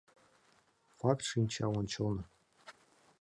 Факт шинча ончылно.